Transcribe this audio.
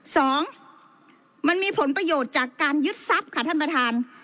สองมันมีผลประโยชน์จากการยึดทรัพย์ค่ะท่านประธาน